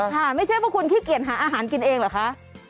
ไม่ใช่ว่าคุณขี้เกียจหาอาหารกินเองเหรอคะ